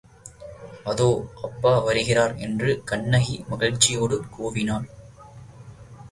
அதோ, அப்பா வருகிறார் என்று கண்ணகி மகிழ்ச்சியோடு கூவினாள்.